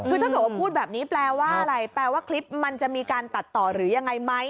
คือถ้าเกิดว่าพูดแบบนี้แปลว่าอะไรแปลว่าคลิปมันจะมีการตัดต่อหรือยังไงไหม